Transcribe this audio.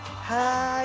はい。